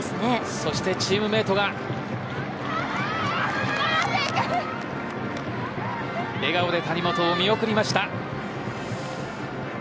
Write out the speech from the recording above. そして、チームメートが笑顔で谷本を見送りました。